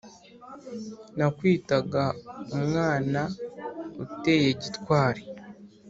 .Nakwitaga umwana uteye gitwari